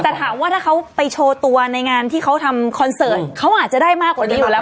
แต่ถามว่าถ้าเขาไปโชว์ตัวในงานที่เขาทำคอนเสิร์ตเขาอาจจะได้มากกว่านี้อยู่แล้ว